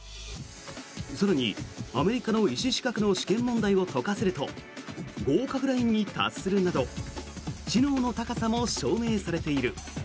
更にアメリカの医師資格の試験問題を解かせると合格ラインに達するなど知能の高さも証明されている。